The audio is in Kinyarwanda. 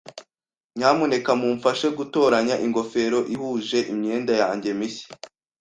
Nyamuneka mumfashe gutoranya ingofero ihuje imyenda yanjye mishya.